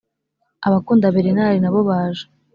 abakunda berenari nabo baje